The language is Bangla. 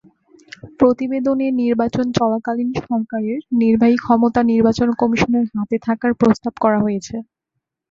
প্রতিবেদনে নির্বাচন চলাকালীন সরকারের নির্বাহী ক্ষমতা নির্বাচন কমিশনের হাতে থাকার প্রস্তাব করা হয়েছে।